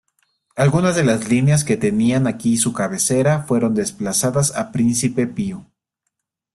Algunas de las líneas que tenían aquí su cabecera fueron desplazadas a Príncipe Pío.